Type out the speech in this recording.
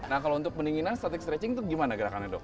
nah kalau untuk pendinginan static stretching itu gimana gerakannya dok